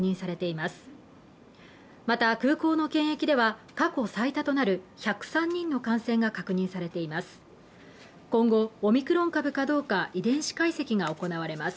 また空港の検疫では過去最多となる１０３人の感染が確認されています。